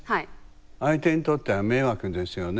相手にとっては迷惑ですよね。